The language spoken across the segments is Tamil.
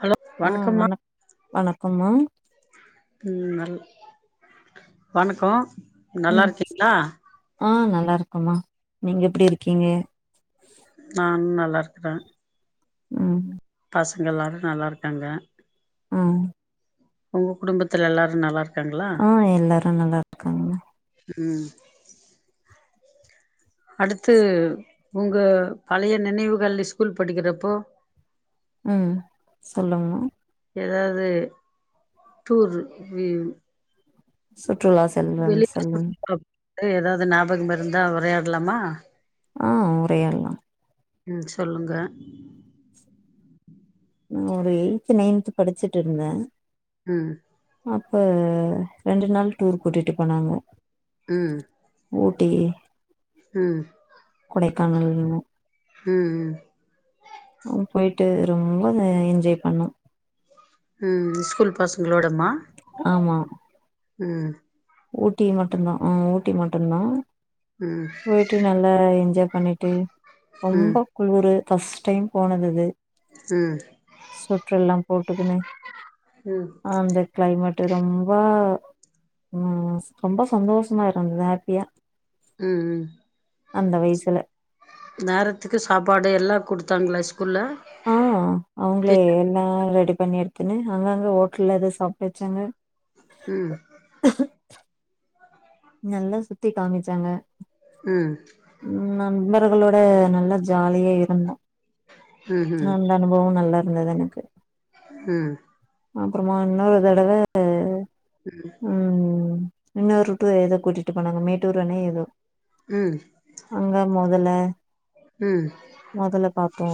ஹலோ ஆ வணக்கம்மா வண வணக்கம் மேம் ம் நல் வணக்கோ நல்லா ம் இருக்கீங்ளா ஆ நல்லா இருக்கோமா நீங்க எப்டி இருக்கீங்க நானு நல்லா இருக்குறே ம் பசங்க எல்லாரு நல்லா இருக்காங்க உம் உங்க குடும்பத்துல எல்லாரு நல்லா இருக்காங்ளா ஆ எல்லாரு நல்லா இருக்காங்கம்மா ம் அடுத்து உங்க பழைய நினைவுகள் இஸ்கூல் படிக்கிறப்போ ம் சொல்லுங்க ஏதாது டூர் வியூ சுற்றுலா செல்வன் செல்வன் ஏதாது ஞாபகம் இருந்தா உரையாடலாமா ஆ உரையாடலா ம் சொல்லுங்க நா ஒரு எயி்த்து நைன்த் படிச்சுட்டு இருந்தே உம் அப்ப ரெண்டு நாள் டூர் கூட்டிட்டு போனாங்க உம் ஊட்டி உம் கொடைக்கானல்வோ உம் உம் ஆ போய்ட்டு ரொம்ப என்ஜாய் பண்ணோ ம் ம் ஸ்கூல் பசங்களோடம்மா ஆமா ம் ஊட்டி மட்டுதான் ஆ ஊட்டி மட்டுதான் உம் வீட்டு நல்லா என்ஜாய் பண்ணிட்டு ம் ரொம்ப குளுரு பஸ்ட் டைம் போனது இது ம் ஸ்வெட்ரெல்லா போட்டுக்குனு ம் அந்த கிளைமேட் ரொம்ப ம் ரொம்ப சந்தோஷமா இருந்த ஹோப்பியா ம் ம் வயசுல. நேரத்துக்கு சாப்பாடு எல்லா கொடுத்தாங்களா ஸ்கூல்ல ஆ அவங்களே எல்லா ரெடி பண்ணி எடுத்துன்னு அங்கங்க ஹோட்டல்ல எத சாப்பிட வச்சாங்க ம் நல்லா சுத்தி காமிச்சாங்க ம் ம் நண்பர்களோட நல்லா ஜாலியா இருந்தோம் ம்ஹும் நல்ல அனுபவம் நல்லா இருந்தது எனக்கு ம் அப்பறமா இன்னொரு தடவை ம் இன்னொரு ரூட்டர் ஏதோ கூட்டிட்டு போனாங்க மேட்டூர் அணை ஏதோ ம் அங்க முதல ம் முதல்ல பாத்தோ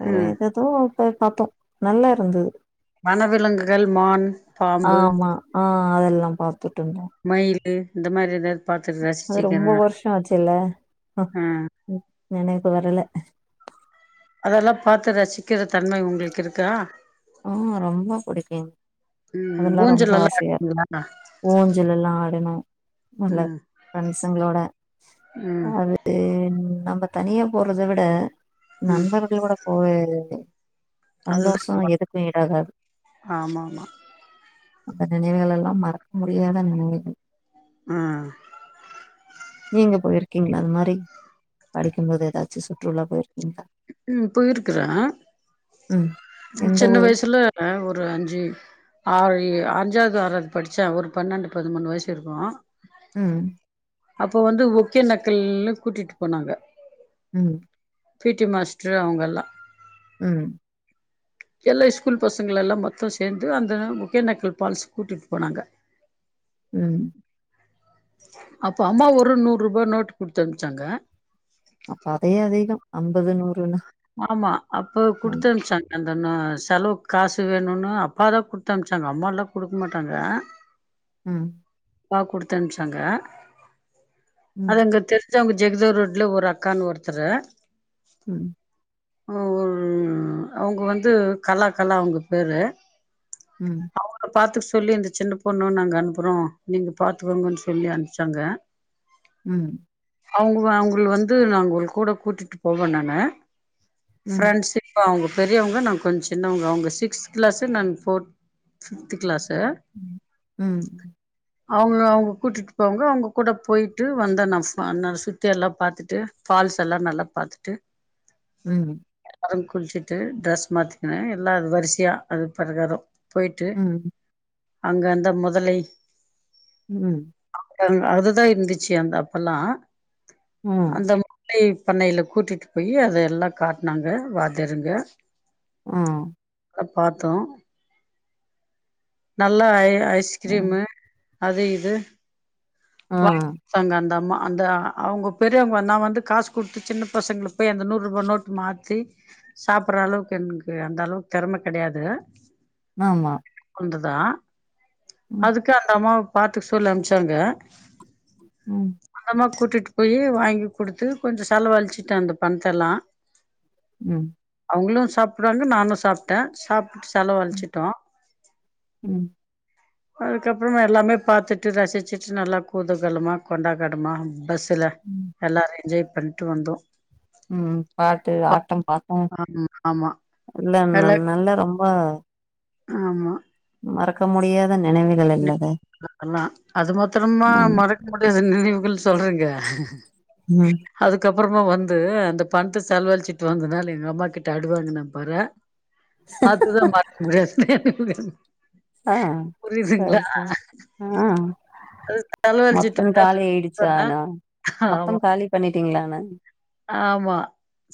வேற ம் எது எதோ இப்ப பாத்தோ நல்லா இருந்தது வனவிலங்குகள் மான், பாம்பு ஆமா ஆ அதெல்லா பாத்துட்டு இருந்தோ மயில் இந்த மாறி ஏதாது அது ரொம்ப வருஷ ஆச்சுல்ல ஆ நினைவுக்கு வரல அதெல்லா பாத்து ரசிக்கிற தன்மை உங்களுக்கு இருக்கா ஆ ரொம்ப பிடிக்கு ம் அதெல்லா ரொம்ப ஊஞ்சல் எல்லா ஆசையா ஆடுவீங்களா ஊஞ்சல் எல்லாம் ஆடணு நல்ல ம் ஃப்ரெண்ஸ்ங்களோட ம் அது து நம்ம தனியா போறதை விட ம் நண்பர்களோட [unintelligible] அதுதா சந்தோஷம் எதுக்கு இடாகாது ஆமா ஆமா அந்த நினைவுகள் எல்லா மறக்க முடியாத நினைவுகள் ம் நீங்க போயிருக்கீங்களா அந்த மாறி படிக்கும் போது ஏதாச்சு சுற்றுலா போயிருக்கீங்களா ம் போயிருக்குறே ம் எந்த சின்ன ஊரு வயசுல ஒரு அஞ்சு ஆறு அஞ்சாவது ஆறாவது படிச்சே ஒரு பன்னெண்டு பதிமூணு வயசு இருக்கும் ம் அப்போ வந்து ஒக்கே நக்கல்லுன்னு கூட்டிட்டு போனாங்க ம் பிடி மாஸ்டர் அவங்கெல்லா ம் எல்லா ஸ்கூல் பசங்களல்லா மொத்த சேர்ந்து அந்த ஒக்கேநக்கல் ஃபால்சுக்கு கூட்டிட்டு போனாங்க [inaudible] ம் அப்போ அம்மா ஒரு நூறுபா நோட்டு குடுத்து அனுப்சாங்க அப்ப அதே அதிக அம்பது நூறுன்னு ஆமா அப்ப குடுத்து அனுப்சாங் அந்தன்ன செலவுக் காசு வேணுனு அப்பாதா குத்துனுச்சாங்க அம்மாலா குடுக்க மாட்டாங்க ம் அப்பா குடுத்தம்ச்சாங்க அதுங்க தெரி ஞ்சாங்க ஜெகஜரோட்ல ஒரு அக்கான்னு ஒருத்தரு ம் ஒ அவுங்க வந்து கலா கலா அவுங்க பேரு ம் அவுங்கள பாத்துக்க சொல்லி இந்த சின்ன பொண்ணு நாங்க அனுப்புறோ நீங்க பாத்துக்கோங்கன்னு சொல்லி அம்ச்சாங்க ம் அவுங்க அவுங்கள வந்து நாங்க கூட கூட்டிட்டு போவே நாங்க ஃப்ரெண்ட்ஸி இப்ப அவுங்க பெரியவங்க நா கொஞ்ச சின்னவங்க அவுங்க சிக்ஸ்த்து க்ளாசு நா ஃபோர் ஃபிப்து க்ளாசு ம் ம் அவுங்க அவுங்க கூட்டிட்டு போவாங்க அவுங்க கூட போய்ட்டு வந்தே நா ஃபா நா சுத்தியெல்லா பாத்துட்டு ஃபால்ஸ் எல்லா நல்ல பாத்துட்டு ம் [unintelligible] குளிச்சுட்டு ட்ரெஸ்ஸு மாத்திக்கினே எல்லா அது வரிசையா அது பரகாரம் போய்ட்டு அங்க அந்த மொதலை ம் அந் அதுதா இருந்துச்சு அந்த அப்பல்லா அந்த லை பண்ணைய்ல கூட்டிட்டு போய் அத எல்லா காட்னாங்க வாத்தியாருங்க ம் போய் பாத்தோ நல்லா ஐ ஐஸ்கிரீமு அது இது [inaudible] [unintelligible] அந்த அம்மா அந்த அவுங்க பெரியவங்க நா வந்து காசு குடுத்து சின்ன பசங்கள போய் அந்த நூறுபா நோட்டு மாத் தி சாப்புற அளவுக்கு எனக்கு அந்த அளவுக்கு தெறம கெடையாது ஆமா உந்துதா அதுக்கு அந்த அம்மாவ பாத்துக்க சொல்லி அம்ச்சாங்க ம் அந்தம்மா கூட்டிட்டு போயி வாங்கி குடுத்து கொஞ்சோ செலவழிச்சுட்டே அந்த பணத்தெல்லா ம் அவுங்களு சாப்புடுவாங்க நானு சாப்ட்டே சாப் செலவுளிச்சுட்டோ ம் அதுக்கப்பறோ நா எல்லாமே பாத்துட்டு ரசிச்சுட்டு நல்ல குதுக்கலமா கொண்டா கடமா பஸ்ஸுல எல்லாரு என்ஜாய் பண்ட்டு வந்தோ ம் பாட்டு ஆட்டம் பாட்டம் ஆமா ஆமா இல்லல் எல்லா நல் நல்ல ரொம்ப ஆமா மறக்க முடியாத நெனைவில் [inaudible] அது மாத்திரமா ஆமா மறக்க முடியாது நினைவுகள் சொல்றீங்க ம் அதுக்கப்பறமா வந்து அந்த பண்த்த செலவலிச்சிட்டு வந்ததுனால எங்க அம்மாக்கிட்ட அடுவாங்குன பாறே அதுல்லா மறக்க முடியாது ஆ சரி புரியுதுங்களா சரி ஆ செலவழிச்சிட்டு மொத்தம் காலி ஆயிடுச்சி வந்தா ஆனா ஆமா மொத்தம் காலி பண்ணிட்டீங்களா ஆனா ஆமா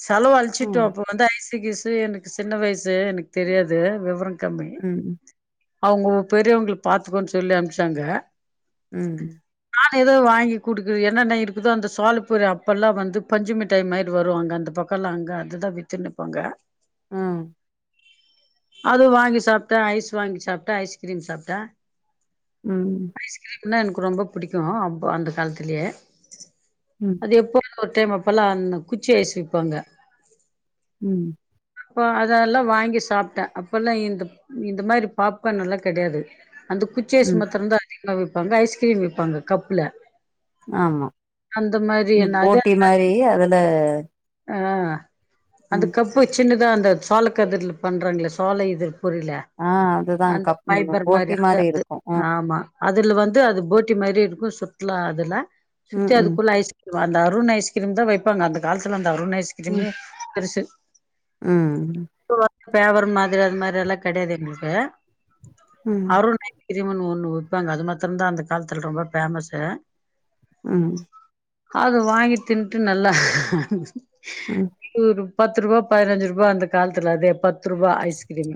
செலவு அழிச்சுட்டோ ம் அப்ப வந்து ஐசு கிசு எனக்கு சின்ன வயசு எனக்கு தெரியாது விவரம் கம்மி ம் அவங்கோ பெரியவங்கள பாத்துக்கோன்னு சொல்லி அனுப்ச்சாங்க ம் நா ஏதோ வாங்கி குடுக்குற என்னென்ன இருக்குதோ அந்த சோளபொறி அப்பெல்லா வந்து பஞ்சுமிட்டாய் மாரி வரு அங்க அந்த பக்கல்லா அங்க அதுதா வித்துனுப்பாங்க ம் அது வாங்கி சாப்ட ஐஸ் வாங்கி சாப்ட ஐஸ்கிரீம் சாப்ட ம் ஐஸ்கிரீம்னா எனக்கு ரொம்ப புடிக்கோ அ அந்த காலத்திலயே ம் அது எப்போ ஒரு டைம் அப்பல்லா அந்த குச்சி ஐஸ் விப்பாங்க ம் அப்போ அதெல்லா வாங்கி சாப்ட அப்பல்லா இந்த இந்த மாரி பாப்கார்ன் எல்லா கெடையாது அந்த குச்சி ஐஸ் ம் மாத்திரம் தா அதிகமா விப்பாங்க ஐஸ்கிரீம் விப்பாங்க கப்ல ஆமா அந்த மாரி இந்த என்ன அதே போட்டி மாரி அதுல ஆ அந்த ம் கப் இப்போ சின்னதா அந்த சோளக்கதிர்ல பண்றாங்களே சோள இத பொறில ஆ அதுதா அந்த கப் ம் பைபர் மாரி போட்டி அது அது இருக்கு ஆமா அதுல வந்து அது போட்டி மாரி இருக்கு சுட்லா அதுல ம் சுத்தி ம் அதுக்குள்ள ஐஸ் அந்த அருண் ஐஸ்கிரீம் தா வைப்பாங்க அந்த காலத்துல அந்த அருண் ஐஸ் ம் கிரீமே பெருசு ம் இப்ப பேவர் மாதிரி அது மாரி எல்லா கெடையாது எங்களுக்கு ம் அருண் கிரிம்னு ஒண்ணு விப்பாங்க அது மாத்திரம்தா அந்த காலத்துல ரொம்ப பேமஸ் ம் அது வாங்கி திண்ட்டு நல்லா.. ம் ஒரு பத்து ரூபா பதினஞ்சு ரூபா அந்த காலத்துல அதே பத்து ரூபா ஐஸ்கிரீம்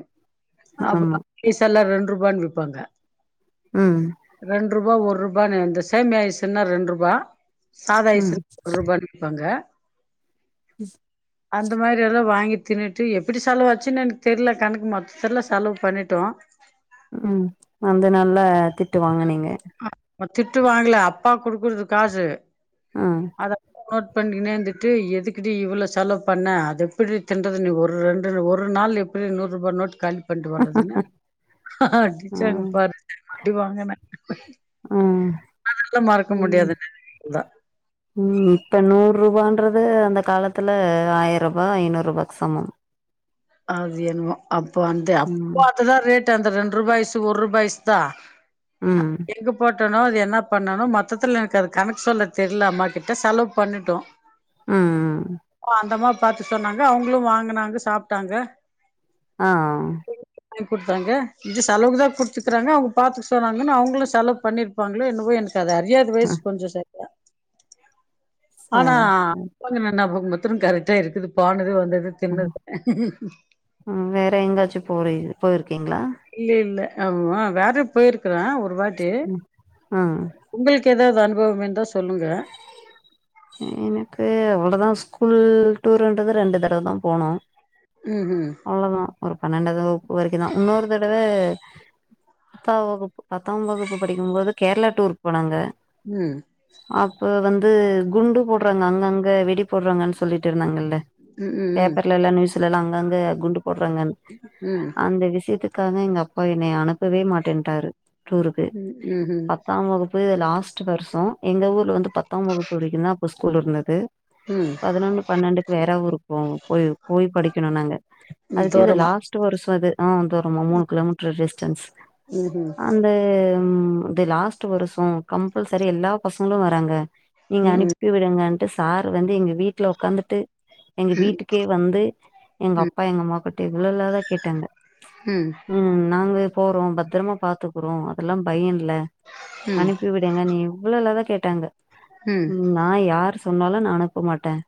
ஆமா ஐஸ் எல்லா ரெண்ரூபானு விப்பாங்க ம் ரெண்ரூபா ஒரூபா இந்த சேமியா ஐஸ்னா ரெண்ரூபா சாதா ம் ஐஸ்னா ஒரூபா விப்பாங்க [inaudible] அந்த மாரி எல்லா வாங்கி தின்னுட்டு எப்படி செலவாச்சுன்னு எனக்கு தெர்ல கணக்கு மொத்ததுல செலவு பண்ணிட்டோ ம் வந்து நல்லா திட்டுவாங்கனிங்க திட்டு வாங்கல அப்பா குடுக்குறது காசு ம் அத நோட் பண்ணிக்குனே இருந்துட்டு எதுக்குடி இவ்ளோ செலவு பண்ண அது எப்புறி தின்றது நீ ஒரு ரெண்டு ஒரு நாள் எப்பறி நூரூபா நோட்டு காலிப் பண்ணிட்டு வறதுன்னு அடிச்சாங்க ம் பாரு அடி வாங்கன ம் அதெல்லா மறக்க முடியாத ம் நனைவுகள் தா ம் இப்ப நூற் ரூபான்றது அந்த காலத்துல ஆயர் ரூபா ஐநூற் ரூபாக் சமம். அது என்னமோ அப்பொ அந்த அப்போ ம் அதுதா ரேட்டு அந்த ரெண்டு ரூபா ஐஸு ஒர் ரூபா ஐஸ் தா. ம். ‌. எங்கே போட்டனோ அது என்ன பண்ணனோ மொத்தத்தில எனக்கு அது கணக்கு சொல்ல தெர்ல அம்மாக்கிட்ட செலவு பண்ணிட்டோ. [inaudible] ஆ ஓ அந்த அம்மா பாத்து சொன்னாங்க அவங்களு வாங்குனாங்க, சாப்ட்டாங்க. ஆ டிக் குட்த்தாங்க இது செலவுகு தா குட்த்துக்கறாங்க அவங்க பாத்துக் சொன்னாங்கன்னு அவவுங்களு செலவு பண்ணிர்.. இருப்பாங்களோ என்னவோ எனக்கு அது அறியாத வயசு கொஞ்சோ ச.. ஆனா சரி கொஞ்சமா ஞாபகம் மத்தரொ கரெக்டா இருக்குது போனது, வந்தது, தின்னது. ம் ஆ வேற எங்காச்சு போரி போயிருக்கீங்ளா? இல்ல இல்ல ஆமா வேற போயிருக்கறே ஒரு வாட்டி. ம் ஆ உங்கள்க் ஏதாது அனுபவம் இந்தா சொல்லுங்க. எனக்கு அவ்வளதான். ஸ்கூல் டூருன்றது ரெண்டு தடவை தா போனோ. ம் ம் அவ்வளவுதா ஒரு பண்ணண்டாவது வவுப்பு வரைக்கு தா. இன்னொரு தடவ.. பத்தாவ வகுப்பு பத்தாம் வகுப்பு படிக்கும்போது கேரளா டூருக் போனாங்க. ம் அப்ப வந்து குண்டு போட்றாங்க அங்கங்க வெடி போட்றாங்கன் சொல்லிட் இருந்தாங்கல்ல? ம் ம் பேப்பர்ல எல்லா நியூஸ்ல எல்லா.. கங்க குண்டு போடுறாங்கன் ம் அந்த விசியத்துக்காக எங்க அப்பா.. அப்பா என்னைய அனுப்பவே மாட்டேன்ட்டாரு டூருக்கு. ம் ம்ஹும் பத்தாம் வகுப்.. த்து லாஸ்ட் வர்சொ. எங்க ஊர்ல வந்து பத்தாம் வகுப்பு வரைக்குந்தா அப்ப ஸ்கூல் இருந்தது. ம் பதினொன்னு பன்னெண்டுக் வேற ஊருக் போவோ. போய் போய் படிக்கணு நாங்க. ம் அதுக்கு இது தூரமா லா.. ஸ்ட்டு வருசொ அது ஆ தூரமா மூணு கிலோமீட்டர் டிஸ்டன்ஸ். ம்ஹும் அந்த.. தும் இது லாஸ்ட்டு வருசொ. கம்பல்சரி எல்லா பசங்களு வராங்க. நீங்க ம் அனுப்.. பி விடுங்கட்டு சார் வந்து எங்க வீட்ல உக்காந்துட்டு, எங்க வீட்டுக்கே வந்து, எங்க ம் ம் அப்பா எங்க அம்மாக்கிட்ட இவ்ள இல்லாதா கேட்டாங்க. ம் நாங்க போறோ, பத்தரமா பாத்துக்குறோ, அதெல்லா பயொ இல்ல. ம் அனுப்பி விட்.. ஏங்க நீ இவ்வளவுலதான் கேட்டாங்க நான் யாரு சொன்னாலும் நான் அனுப்ப மாட்டேன்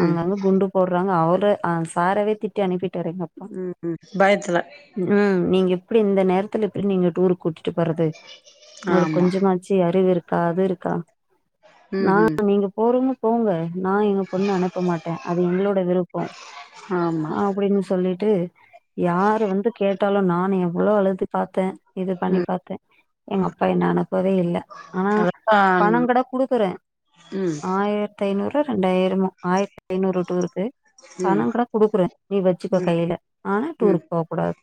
ம் ம் அங்கங்க குண்டு போறாங்க அவரே சாரவே திட் திட்டி அனுப்பிட்டாரு எங்க அப்பா ம் பயத்துல ம் நீங்க எப்டி இந்த நேரத்துல எப்டி நீங்க டூர் கூட்டிட்டு போறது உங்களுக் ஆமா கொஞ்சமாச்சு அறிவு இருக்கா? அது இருக்கா? ம் நா, ம் நீங்க போறிங்க. போங்க நா எங்க பொண்ண அனுப்ப மாட்டே அது எங்களோட விருப்பொ. ஆமா அப்படின்னு சொல்லிட்டு யாரு வந்து கேட்டாலு நானு எவ்வளோ அழுது பார்த்தே. இது பண்ணி ம் பாத்தே, எங்க அப்பா என்ன அனுப்பவே இல்ல. ஆனா அதா ம் பணொங்கட குடுக்குறே ம் ஆய.. தைநூறோ ரெண்டாயிரமோ ஆயிரத்தைநூறு டூருக்கு. ம் பணொங்கூட கூக்குறே, நீ வச்சுக்க ம் கையில ஆனா ம் டூருக் போக் கூடாத்.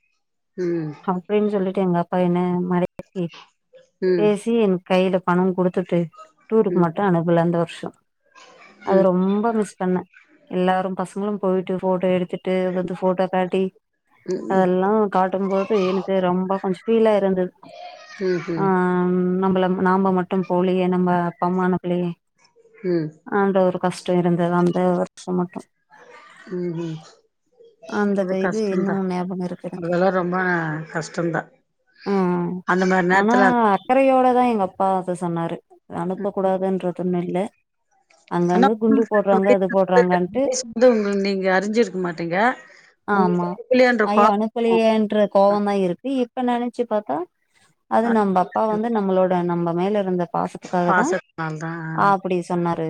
ம் ம் அப்படிஞ்சொல்லிட்டு எங்க அப்பா என்ன மறக்கி ம் ம் பேசி என் கைல பணொங்குடு.. துட்டு டூருக் ம் மட்டு அனுப்பல அந்த வருஷொ. அது ரொம்ப.. ம்ப மிஸ் பண்ணே எல்லாரும் பசங்கலும் போய்ட்டு ஃபோட்டோ எடுத்துட்டு வந்து ஃபோட்டோ காட்டி.. அதெல்லா காட்டும் போது எனக்கு ரொம்ப கொஞ் ஃபீலா இருந்தது. ம் ம் ம் நம்மள நாம மட்டு போலியே நம்ம அப்பாம்மா அனுப்பலயே. ம் அந்த ஒரு கஷ்டம் இருந்தது அந்த வருஷம் மட்டும் ம் ம் அந்த அது இது கஷ்டோந்தான் இன்னு ஞாபகோ இருக்கு எனக்கு அதெல்லாம் ரொம்ப கஷ்டம் தான் ம் அந்த மார் ஆனா நேரத்துல அக்கறையோடதா எங்க அப்பா அத சொன்னாரு அனுப்ப கூடாதுன்றதுன்னு இல்ல அங்க ஆனா அங்க குண்டு போட்றாங்க அது போடுறாங்கன்ட்டு ந்து உங்களு நீங்க அறிஞ்சிருக்க மாட்டீங்க ஆ உங்களுக்கு அடிக்கலையான்ற ஐயோ கோபோ அனுபலயேன்ற கோவந்தா இருக்கு இப்ப நெனைச்சு பாத்தா அது நம்ப அப்பா வந்து நம்மளோட நம்ம மேல இருந்த பாசத்துக்காக தா பாசத்தினால தா ஆப்டி சொன்னாரு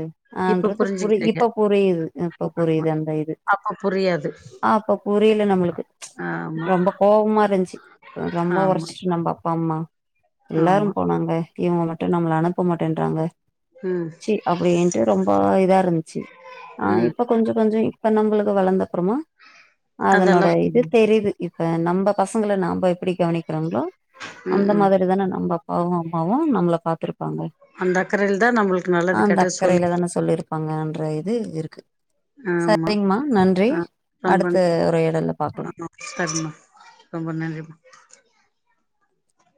இப்ப ஆன்றது புரி புரிஞ்சுக்கிறீங்க இப்ப புரியுது இப்ப ஆமா புரியுது அந்த இது அப்ப புரியாது ஆ அப்ப புரியல நம்மளுக்கு ஆமா ரொம்ப கோவமா இருந்துச்சு ரொம்ப ஆமா உரச்சிட்டு நம்ம அப்பா அம்மா ஆமா எல்லாரும் போனாங்க இவங்க மட்டு நம்மள அனுப்ப மாட்டேன்றாங்க ம் சி அப்டின்ட்டு ரொம்ப இதா இருந்துச்சி ஆ ம் இப்ப கொஞ்சோ கொஞ்சோ இப்ப நம்மளுக்கு வலந்த அப்பறமா அதனோட அதெல்லா இது புரியுது தெரிது இப்ப நம்ப பசங்கள நாம எப்டி கவனிக்கிறோமோ ம் அந்த ம் மாரி தானே நம்ப அப் பாவு அம்மாவு நம்மள பாத்துருப்பாங்க அந்த அக்கறையில தா நம்மளுக்கு நல்லது கெட்டது சொல்லி பாங்கன்ற இது இருக்கு ஆமா சரிங்கம்மா நன்றி அ ரொம்ப அடுத்த நி இருக்கு உரையாடல்ல பாக்கலாம் ஆமா சரிமா ரொம்ப நன்றி மா